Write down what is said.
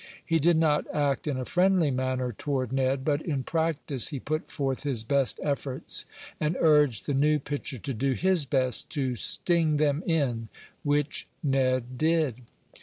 He did not act in a friendly manner toward Ned, but in practice he put forth his best efforts, and urged the new pitcher to do his best to "sting them in," which Ned did.